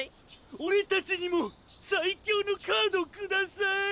俺たちにも最強のカードをください！